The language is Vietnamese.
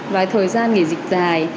vài thời gian nghỉ dịch dài